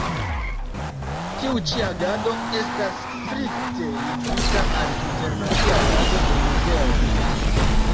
Tiu ĉi agado estas strikte ligita al Internacia Tago de Muzeoj.